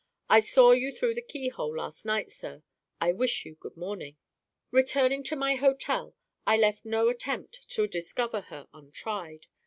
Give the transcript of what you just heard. I saw you through the keyhole last night, sir. I wish you good morning." Returning to my hotel, I left no attempt to discover her untried.